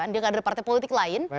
dia kader partai politik lain